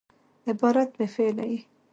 عبارت بې فعله يي.